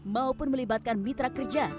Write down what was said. maupun melibatkan mitra kerja